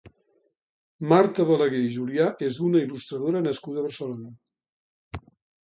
Marta Balaguer i Julià és una il·lustradora nascuda a Barcelona.